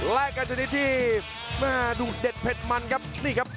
แรกกันชนิดที่แม่ดูเด็ดเผ็ดมันครับนี่ครับ